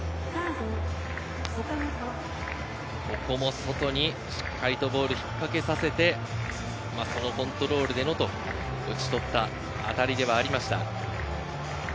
外にしっかりとボールを引っかけさせて、コントロールで打ち取った当たりではありました。